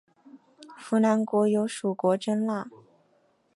扶南国有属国真腊。